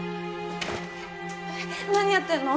えっ何やってんの！？